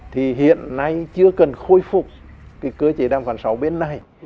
thì hiện nay chưa cần khôi phục cái cơ chế đàm phán sáu bên này